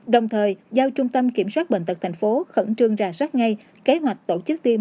đồng thời giao trung tâm kiểm soát bệnh tật tp hcm khẩn trương rà soát ngay kế hoạch tổ chức tiêm